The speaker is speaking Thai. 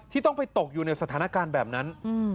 ต้องไปตกอยู่ในสถานการณ์แบบนั้น